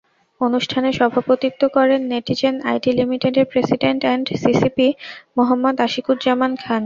অনুষ্ঠানে সভাপতিত্ব করেন নেটিজেন আইটি লিমিটেডের president and CCP Mohammad Ashikuzzaman Khan.